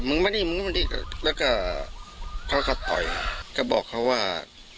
มานี่มึงมานี่แล้วก็เขาก็ต่อยก็บอกเขาว่า